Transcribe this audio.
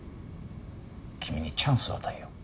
君にチャンスを与えよう。